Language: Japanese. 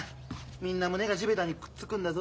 みんな胸が地べたにくっつくんだぞ。